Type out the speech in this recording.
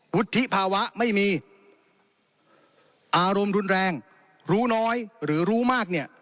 วุฒิภาวะไม่มีอารมณ์รุนแรงรู้น้อยหรือรู้มากเนี่ย